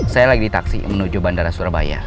saya lagi taksi menuju bandara surabaya